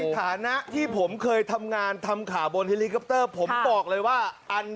ฐานะที่ผมเคยทำงานทำข่าวบนเฮลิคอปเตอร์ผมบอกเลยว่าอัน